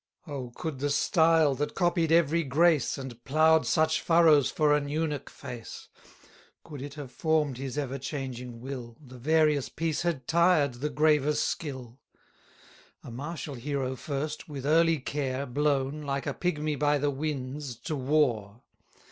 Oh, could the style that copied every grace, And plough'd such furrows for an eunuch face, Could it have form'd his ever changing will, The various piece had tired the graver's skill! A martial hero first, with early care, Blown, like a pigmy by the winds, to war.